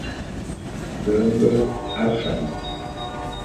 Be mbe afan.